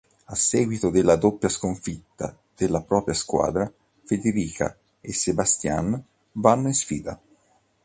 A seguito della doppia sconfitta della propria squadra, Federica e Sebastian vanno in sfida.